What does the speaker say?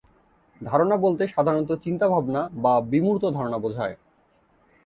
ধারণা বলতে সাধারণত চিন্তাভাবনা বা বিমূর্ত ধারণা বোঝায়।